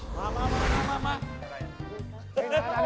มีเยอะอยู่